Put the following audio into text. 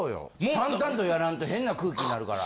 淡々とやらんと変な空気になるから。